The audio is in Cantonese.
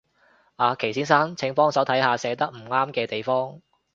阿祁先生，請幫手睇下寫得唔啱嘅地方